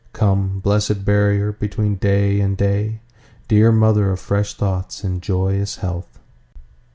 Come, blesséd barrier between day and day, Dear mother of fresh thoughts and joyous health!